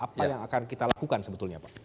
apa yang akan kita lakukan sebetulnya pak